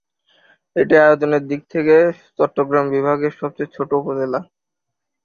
এটি আয়তনের দিক থেকে চট্টগ্রাম বিভাগের সবচেয়ে ছোট উপজেলা।